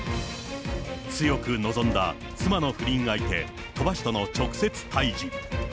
強く望んだ妻の不倫相手、鳥羽氏との直接対じ。